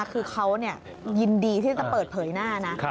คือเขายินดีที่จะเปิดเผยหน้านะ